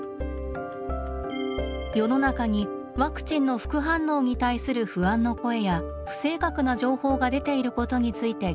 世の中にワクチンの副反応に対する不安の声や不正確な情報が出ていることについて聞くと。